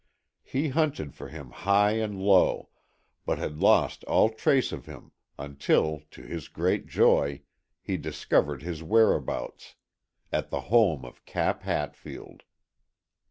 He hunted for him high and low, but had lost all trace of him until, to his great joy, he discovered his whereabouts at the home of Cap Hatfield.